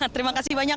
terima kasih banyak